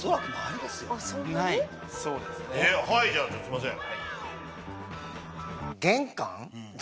じゃあすいません。